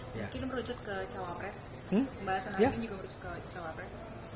mungkin merujuk ke cawapres